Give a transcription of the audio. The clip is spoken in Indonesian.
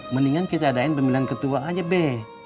mendingan kita adain pemilang ketua aja be